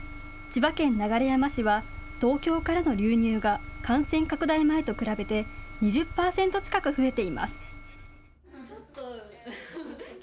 千葉県流山市は東京からの流入が感染拡大前と比べて２０％近く増えています。